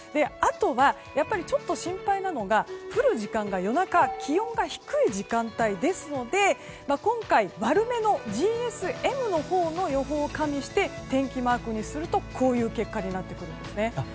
あとはちょっと心配なのが降る時間が夜中、気温が低い時間帯なので今回、悪めのＧＳＭのほうの予報を加味して天気マークにするとこういう結果になってきます。